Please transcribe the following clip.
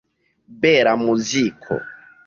Bela muziko!